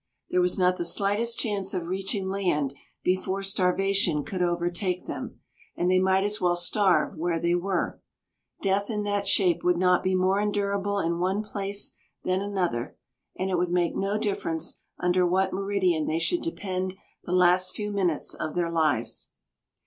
There was not the slightest chance of reaching land before starvation could overtake them; and they might as well starve where they were. Death in that shape would not be more endurable in one place than another; and it would make no difference under what meridian they should depend the last few minutes of their lives.